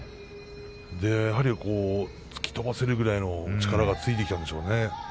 やはり突き飛ばせるぐらいの力がついてきたんですね。